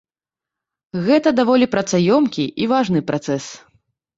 Гэта даволі працаёмкі і важны працэс.